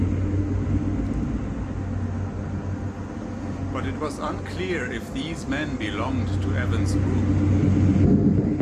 But it was unclear if these men belonged to Evans' group.